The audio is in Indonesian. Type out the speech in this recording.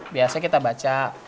biasanya kita baca